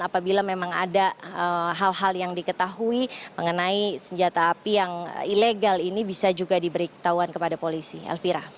apabila memang ada hal hal yang diketahui mengenai senjata api yang ilegal ini bisa juga diberi ketahuan kepada polisi elvira